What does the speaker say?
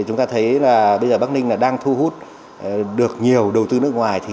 chúng ta thấy bây giờ bắc ninh đang thu hút được nhiều đầu tư nước ngoài